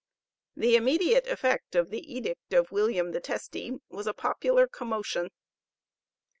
The immediate effect of the edict of William the Testy was a popular commotion.